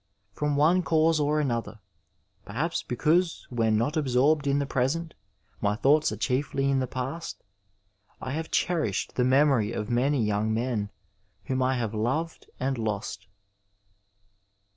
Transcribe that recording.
From one cause or another, perhaps because when not absorbed in the present, my thoughts are chiefly in the past, I have cherished the memory of many young men whom I have 441 Digitized by Google THE STUDENT LIFE loved and lost.